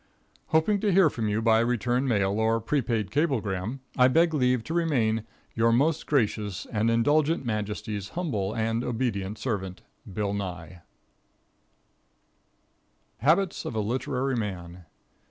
Hoping to hear from you by return mail or prepaid cablegram, I beg leave to remain your most gracious and indulgent majesty's humble and obedient servant. Bill Nye. Habits of a Literary Man.